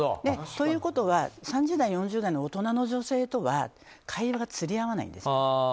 ということは３０代、４０代の大人の女性とは会話がつり合わないんですね。